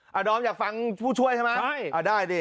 ดอมอยากฟังผู้ช่วยใช่ไหมใช่อ่าได้ดิ